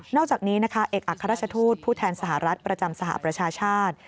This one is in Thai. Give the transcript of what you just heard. อกจากนี้นะคะเอกอัครราชทูตผู้แทนสหรัฐประจำสหประชาชาติ